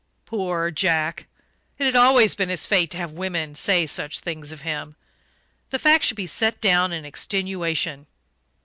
Poor Jack! It had always been his fate to have women say such things of him: the fact should be set down in extenuation.